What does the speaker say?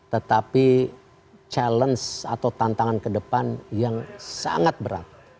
tetapi tantangan ke depan yang sangat berat